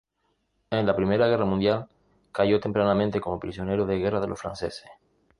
En la Primera guerra mundial cayo tempranamente como prisionero de guerra de los franceses.